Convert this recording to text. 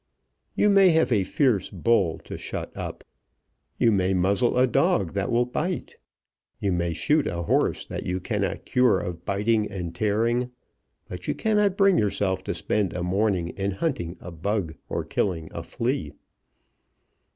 You may have a fierce bull shut up. You may muzzle a dog that will bite. You may shoot a horse that you cannot cure of biting and tearing. But you cannot bring yourself to spend a morning in hunting a bug or killing a flea.